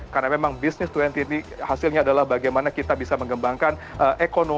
karena memang bisnis dua puluh ini hasilnya adalah bagaimana kita bisa mengembangkan ekonomi